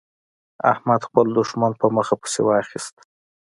احمد خپل دوښمن په مخه پسې واخيست.